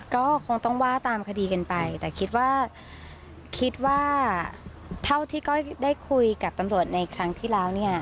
ก็คงต้องว่าตามคดีกันไปแต่คิดว่าคิดว่าเท่าที่ก้อยได้คุยกับตำรวจในครั้งที่แล้วเนี่ย